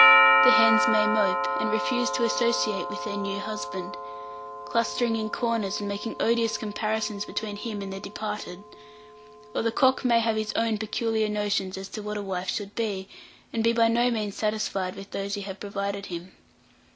The hens may mope, and refuse to associate with their new husband, clustering in corners, and making odious comparisons between him and the departed; or the cock may have his own peculiar notions as to what a wife should be, and be by no means satisfied with those you have provided him.